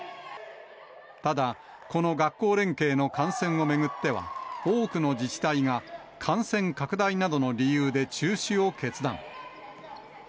ただ、この学校連携の観戦を巡っては、多くの自治体が感染拡大などの理由で中止を決断。